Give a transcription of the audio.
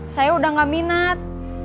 saya udah gak minat